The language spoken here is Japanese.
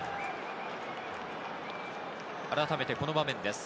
あらためてこの場面です。